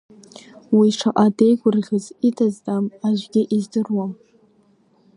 Уи шаҟа деигәырӷьаз ида здам аӡәгьы издыруам!